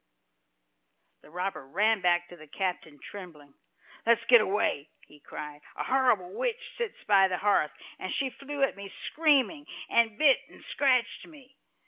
The robber ran back to his captain trembling. "Let us get away!" he cried. "A horrible witch sits by the hearth, and she flew at me screaming, and bit and scratched me.